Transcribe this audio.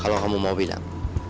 kalau kamu mau bilang